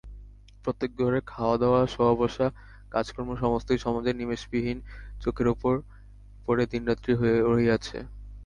প্রত্যেক ঘরের খাওয়াদাওয়া শোওয়াবসা কাজকর্ম সমস্তই সমাজের নিমেষবিহীন চোখের উপরে দিনরাত্রি রহিয়াছে।